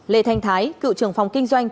lê thanh thái cựu trưởng phòng kinh doanh